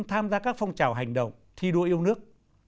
tham gia các phong trào hành động thi đua yêu nước